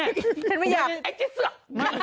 ฉันไม่อยากไอ้เจสัก